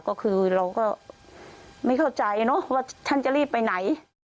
ก็คือเราก็ไม่เข้าใจเนอะว่าท่านจะรีบไปไหน